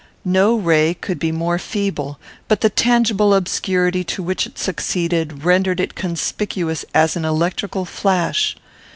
No ray could be more feeble; but the tangible obscurity to which it succeeded rendered it conspicuous as an electrical flash.